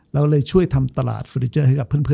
แล้วเราเลยช่วยซื้อผลตลาดฟรีเจอร์ให้กับเพื่อนเรา